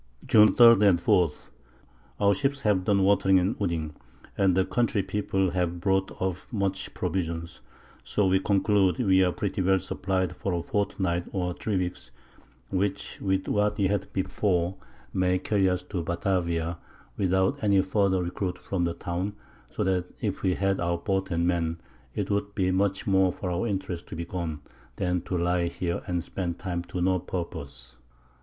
June 3 and 4. Our Ships have done Watering and Wooding, and the Country People have brought off much Provisions: so we conclude we are pretty well supplied for a Fortnight or Three Weeks; which, with what we had before, may carry us to Batavia, without any further Recruit from the Town; so that if we had our Boat and Men, it would be much more for our Interest to be gone, than to lie here, and spend time to no Purpose.